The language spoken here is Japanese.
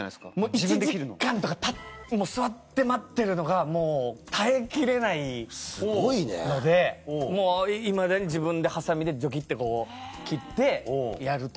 １時間とか座って待ってるのがもう耐えきれないのでもういまだに自分でハサミでジョキってこう切ってやるとか。